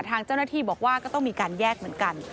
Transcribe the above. ทางเจ้าหน้าที่บอกว่าก็ต้องมีการแยกเหมือนกัน